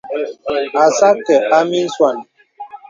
Àcā à akə̀ a miswàn.